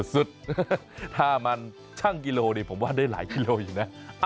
สุดถ้ามันช่างกิโลนี่ผมว่าได้หลายกิโลอยู่นะ